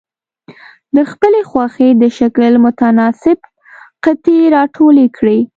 د خپلې خوښې د شکل متناسب قطي را ټولې کړئ.